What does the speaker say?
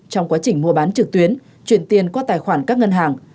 trong quá trình mua bán trực tuyến chuyển tiền qua tài khoản các ngân hàng